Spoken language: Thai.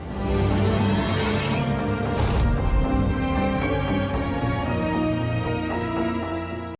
โปรดติดตามตอนต่อไป